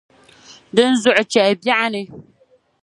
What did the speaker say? Dinzuɣu cheli biɛɣuni